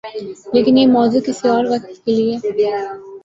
لیکن یہ موضوع کسی اور وقت کے لئے۔